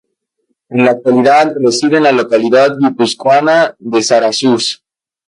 En la actualidad reside en la localidad guipuzcoana de Zarauz.